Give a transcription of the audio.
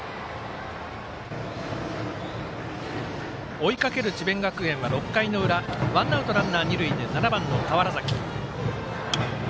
追いかける智弁学園は６回の裏ワンアウト、ランナー、二塁で７番の川原崎。